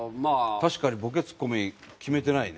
確かにボケツッコミ決めてないね。